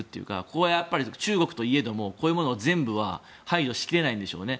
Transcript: ここは中国といえどもこういうもの全部は排除しきれないんでしょうね。